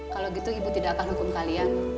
kalau gitu ibu tidak akan hukum kalian